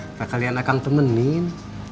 setelah kalian akan temenin